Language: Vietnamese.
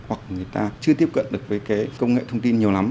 hoặc người ta chưa tiếp cận được với cái công nghệ thông tin nhiều lắm